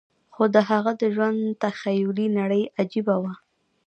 خو د هغه د ژوند تخيلي نړۍ عجيبه وه.